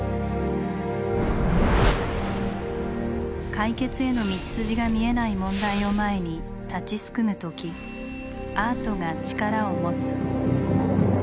解決への道筋が見えない問題を前に立ちすくむ時アートが力を持つ。